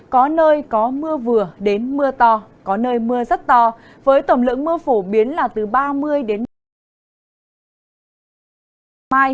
có nơi có mưa vừa đến mưa to có nơi mưa rất to với tổng lượng mưa phổ biến là từ ba mươi năm mươi mm